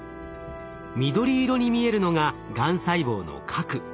緑色に見えるのががん細胞の核。